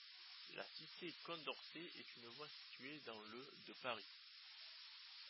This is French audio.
La cité Condorcet est une voie située dans le de Paris.